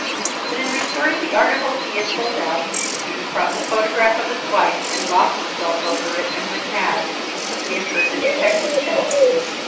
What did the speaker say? But in restoring the articles he had pulled out he came across a photograph of his wife and lost himself over it and went mad, as we have heard the detective tell.